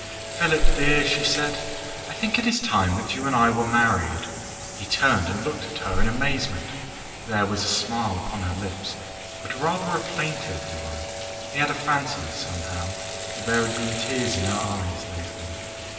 "Philip dear," she said, "I think it is time that you and I were married." He turned and looked at her in amazement. There was a smile upon her lips, but rather a plaintive one. He had a fancy, somehow, that there had been tears in her eyes lately.